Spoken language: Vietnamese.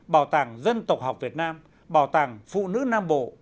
bảo tàng dân tộc học việt nam bảo tàng phụ nữ nam bộ